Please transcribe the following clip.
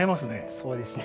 そうですね。